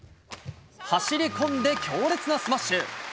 走り込んで、強烈なスマッシュ。